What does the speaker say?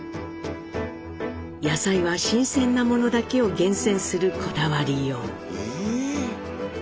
野菜は新鮮なものだけを厳選するこだわりよう。